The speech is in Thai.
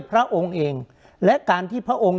พระองค์เองและการที่พระองค์